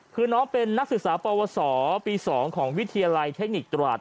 คือน้องเป็นนักศึกษาปวสปี๒ของวิทยาลัยเทคนิคตราช